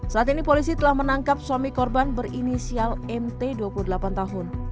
saat ini polisi telah menangkap suami korban berinisial mt dua puluh delapan tahun